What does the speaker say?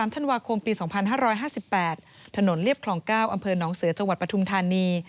ธันวาคมปี๒๕๕๘ถนนเรียบคลอง๙อำเภอน้องเสือจังหวัดปทุมธานี